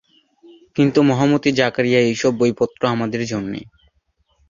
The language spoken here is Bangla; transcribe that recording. কিন্তু মহামতি জাকারিয়া, এইসব বইপত্র আমাদের জন্যে।